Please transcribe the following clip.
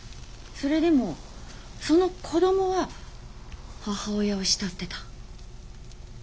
それでもその子供は母親を慕ってた。